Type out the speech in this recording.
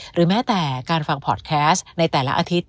หรือแม้แต่การฟังพอร์ตแคสต์ในแต่ละอาทิตย์